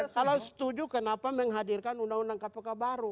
kalau setuju kenapa menghadirkan undang undang kpk baru